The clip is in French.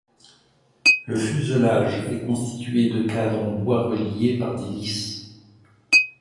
Le fuselage est constitué de cadres en bois reliés par des lisses.